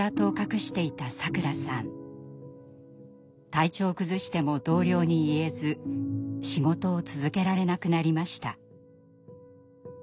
体調を崩しても同僚に言えず仕事を続けられなくなりました。